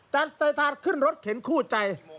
จัดสายทานขึ้นรถเข็นคู่ใจ